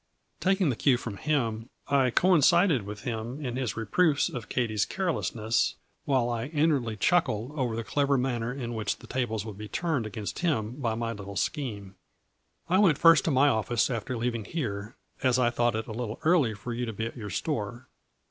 Taking the cue from him, I coincided with him in his reproofs of Katies carelessness, while I inwardly chuckled over the clever man ner in which the tables would be turned against him by my little scheme. " I went first to my office after leaving here, as I thought it a little early for you to be at your store.